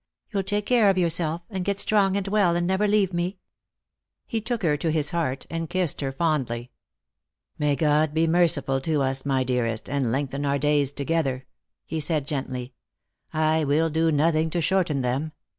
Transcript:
You'll take care of yourself, and get strong and well and never leave me?" He took her to his heart and kissed her fondly. " May God be merciful to us, my dearest, and lengthen our days together! " he said gently; "I will do nothing to shorten, them.